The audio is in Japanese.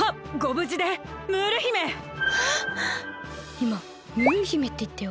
いまムール姫っていったよ。